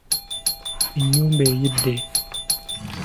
Ennyumba eyidde.